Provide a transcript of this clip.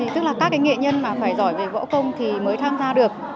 tức là các nghệ nhân giỏi về võ công phải tham gia được